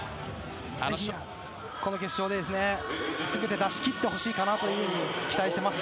この決勝で全て出し切ってほしいと期待しています。